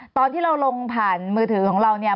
ตอนที่เราลงผ่านมือถือของเราเนี่ย